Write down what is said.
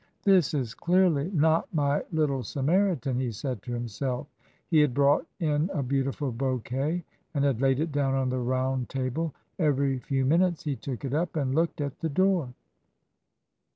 "This is clearly not my little Samaritan," he said to himself. He had brought in a beautiful bouquet, and had laid it down on the round table. Every few minutes he took it up and looked at the door.